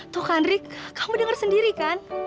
tuh kan rik kamu denger sendiri kan